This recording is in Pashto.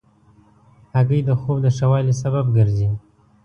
هګۍ د خوب د ښه والي سبب ګرځي.